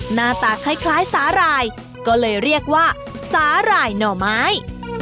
หน้าตาคล้ายสาหร่ายก็เลยเรียกว่าสาหร่ายหน่อไม้